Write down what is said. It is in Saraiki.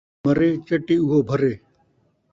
جین٘دا مرے ، چٹی اوہو بھرے